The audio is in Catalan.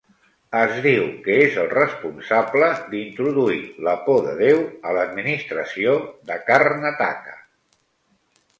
Es diu que és el responsable d'introduir la por de Déu a l'administració de Karnataka.